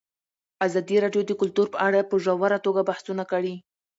ازادي راډیو د کلتور په اړه په ژوره توګه بحثونه کړي.